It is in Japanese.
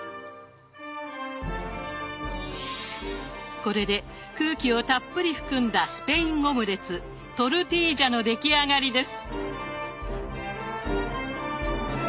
これで空気をたっぷり含んだスペインオムレツトルティージャの出来上がりです。